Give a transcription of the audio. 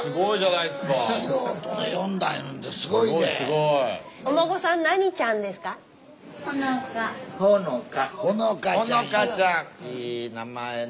いい名前ね。